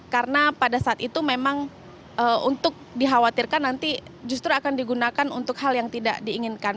karena pada saat itu memang untuk dikhawatirkan nanti justru akan digunakan untuk hal yang tidak diinginkan